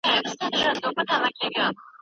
استاد باید په خپله موضوع کي پوره معلومات ولري.